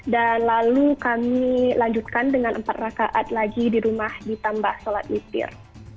lalu kami lanjutkan dengan empat rakaat lagi di rumah ditambah sholat witir